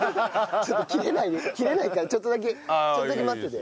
ちょっと切れないからちょっとだけちょっとだけ待ってて。